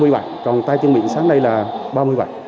hai mươi bệnh còn tay chân miệng sáng nay là ba mươi bệnh